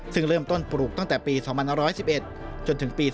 ซึ่งเริ่มต้นปลูกตั้งแต่ปี๒๑๑จนถึงปี๒๕